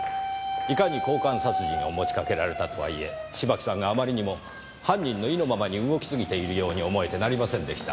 いかに交換殺人を持ちかけられたとはいえ芝木さんがあまりにも犯人の意のままに動きすぎているように思えてなりませんでした。